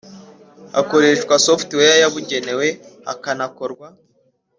hakoreshwa software yabugenewe hakanakorwa